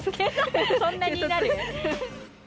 そんなになる？